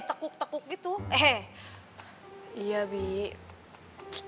makanya papi butuh keluar cari udara segar